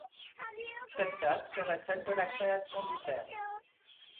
Cette date serait celle de la création du thème.